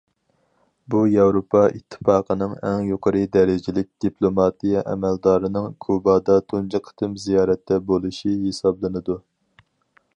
بۇ، ياۋروپا ئىتتىپاقىنىڭ ئەڭ يۇقىرى دەرىجىلىك دىپلوماتىيە ئەمەلدارىنىڭ كۇبادا تۇنجى قېتىم زىيارەتتە بولۇشى ھېسابلىنىدۇ.